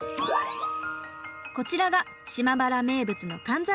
こちらが島原名物のかんざらし。